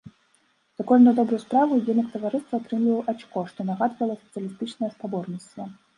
За кожную добрую справу ўдзельнік таварыства атрымліваў ачко, што нагадвала сацыялістычнае спаборніцтва.